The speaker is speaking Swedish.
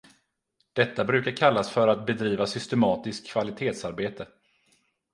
Detta brukar kallas för att bedriva systematiskt kvalitetsarbete.